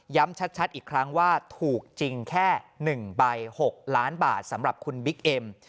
ชัดอีกครั้งว่าถูกจริงแค่๑ใบ๖ล้านบาทสำหรับคุณบิ๊กเอ็ม